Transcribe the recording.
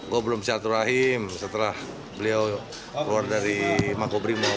gue belum si arthur rahim setelah beliau keluar dari makobrim